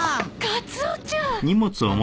カツオちゃん。